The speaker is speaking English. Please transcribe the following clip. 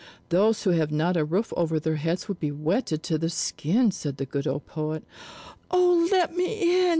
"Those who have not a roof over their heads will be wetted to the skin," said the good old poet. "Oh let me in!